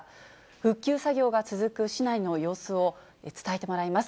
復旧作業が続く市内の様子を伝えてもらいます。